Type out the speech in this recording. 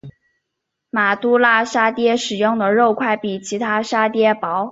马都拉沙嗲使用的肉块比其他沙嗲薄。